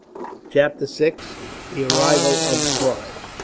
Chapter 6: The Arrival Of Clive.